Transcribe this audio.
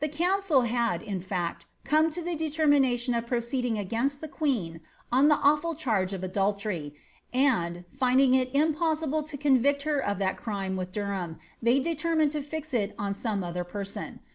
council had, in fact, come to the determination of proceeding he queen on the awful charge of adultery, and, finding it im to convict her of that crime with Derham, they determined to some other person.